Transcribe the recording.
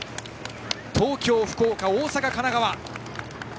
東京、福岡、大阪、神奈川。